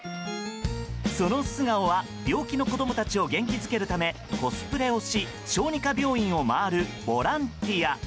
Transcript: その素顔は、病気の子供たちを元気づけるためコスプレをし小児科病院を回るボランティア。